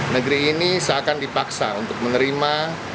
negeri ini seakan dipaksa untuk menerima